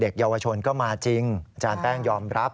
เยาวชนก็มาจริงอาจารย์แป้งยอมรับ